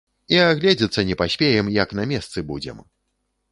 І агледзецца не паспеем, як на месцы будзем!